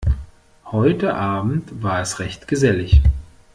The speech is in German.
Heute Abend war es recht gesellig.